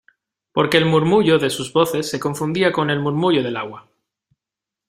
porque el murmullo de sus voces se confundía con el murmullo del agua.